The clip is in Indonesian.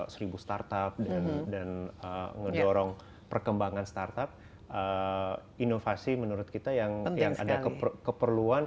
seribu startup dan mendorong perkembangan startup inovasi menurut kita yang ada keperluan